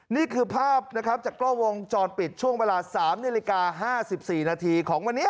นี่คือภาพนะครับจากกล้องวงจรปิดช่วงเวลา๓นาฬิกา๕๔นาทีของวันนี้